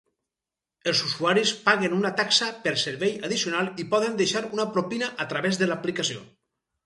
Els usuaris paguen una taxa per servei addicional i poden deixar una propina a través de l'aplicació.